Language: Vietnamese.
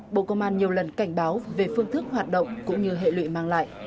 bộ công an nhiều lần cảnh báo về phương thức hoạt động cũng như hệ lụy mang lại